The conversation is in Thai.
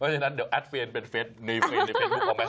เพราะฉะนั้นเดี๋ยวแอดเพลงเป็นเฟสในเพลงพุกเอาไหม